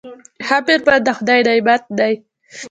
ښه میرمن د خدای نعمت دی.